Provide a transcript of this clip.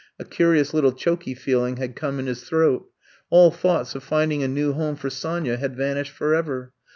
A curious little choky feeling had come in his throat. All thoughts of finding a new home for Sonya had vanished forever.